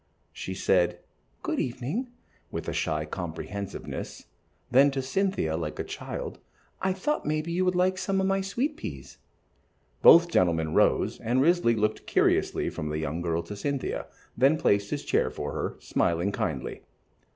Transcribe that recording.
She said "Good evening" with a shy comprehensiveness, then, to Cynthia, like a child, "I thought maybe you would like some of my sweet peas." Both gentlemen rose, and Risley looked curiously from the young girl to Cynthia, then placed his chair for her, smiling kindly.